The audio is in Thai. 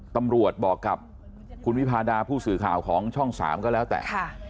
ตำรวจบอกกับคุณวิพาดาผู้สื่อข่าวของช่อง๓ก็แล้วแต่